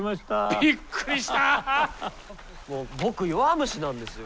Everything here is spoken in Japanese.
もう僕弱虫なんですよ。